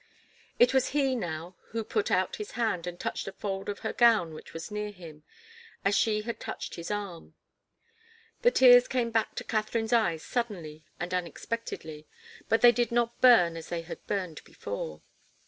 It was he, now, who put out his hand and touched a fold of her gown which was near him, as she had touched his arm. The tears came back to Katharine's eyes suddenly and unexpectedly, but they did not burn as they had burned before.